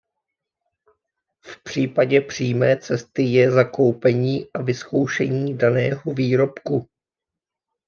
V případě přímé cesty je zakoupení a vyzkoušení daného výrobku.